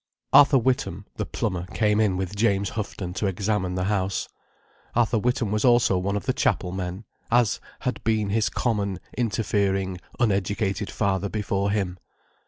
Arthur Witham, the plumber, came in with James Houghton to examine the house. Arthur Witham was also one of the Chapel men—as had been his common, interfering, uneducated father before him.